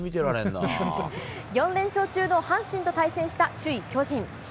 ４連勝中の阪神と対戦した首位巨人。